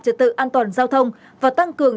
trật tự an toàn giao thông và tăng cường